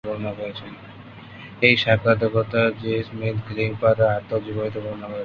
এই সাক্ষাতের কথা 'জিগ্স-মেদ-গ্লিং-পা তার আত্মজীবনীতে বর্ণনা করেছেন।